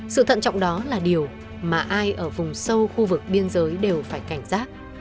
sự thận trọng đó là điều mà ai ở vùng sâu khu vực biên giới đều phải cảnh giác